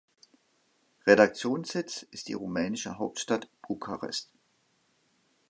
Redaktionssitz ist die rumänische Hauptstadt Bukarest.